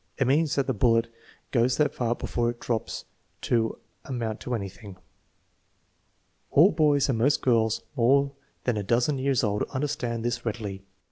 It means that the bullet goes that far before it drops to amount to anything." All boys and most girls more than a dozen years old understand this readily.